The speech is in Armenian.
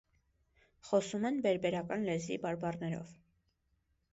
Խոսում են բերբերական լեզվի բարբառներով։